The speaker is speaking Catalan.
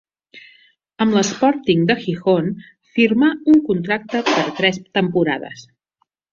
Amb l'Sporting de Gijón firmà un contracte per a tres temporades.